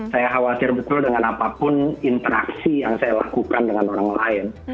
saya khawatir betul dengan apapun interaksi yang saya lakukan dengan orang lain